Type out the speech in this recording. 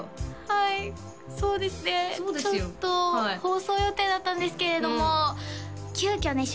はいそうですねちょっと放送予定だったんですけれども急きょね